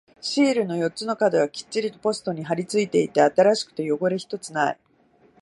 シールの四つの角はきっちりとポストに貼り付いていて、新しくて汚れ一つない。